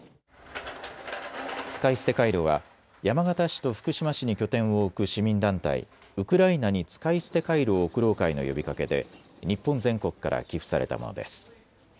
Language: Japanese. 使い捨てカイロは山形市と福島市に拠点を置く市民団体、ウクライナに使い捨てカイロを送ろう会の呼びかけで日本全国から寄付されたものです。